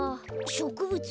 しょくぶつ？